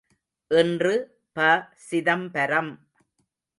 இன்று ப.சிதம்பரம்!